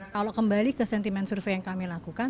kalau kembali ke sentimen survei yang kami lakukan